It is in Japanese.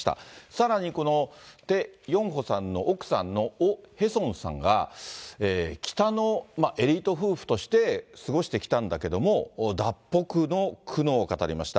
さらに、このテ・ヨンホさんの奥さんのオ・ヘソンさんが、北のエリート夫婦として過ごしてきたんだけれども、脱北の苦悩を語りました。